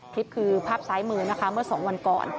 คลิปคือภาพซ้ายมือนะคะเมื่อ๒วันก่อน